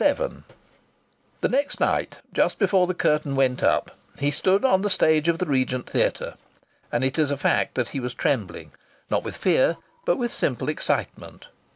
VII The next night, just before the curtain went up, he stood on the stage of the Regent Theatre, and it is a fact that he was trembling not with fear but with simple excitement.